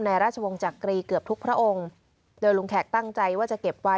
ราชวงศ์จักรีเกือบทุกพระองค์โดยลุงแขกตั้งใจว่าจะเก็บไว้